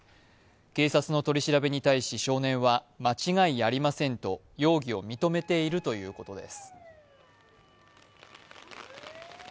警察の取り調べに対し、少年は「間違いありません」と容疑を認めているということです。